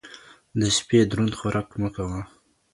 د شپې دروند خوراک مه کوه